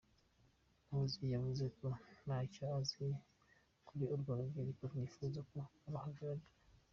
Muhoozi yavuze ko nta cyo azi kuri urwo rubyiruko rwifuza ko aruhagararira.